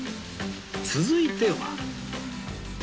続いては